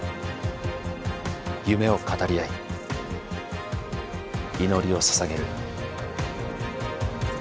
夢を語り合い祈りをささげる。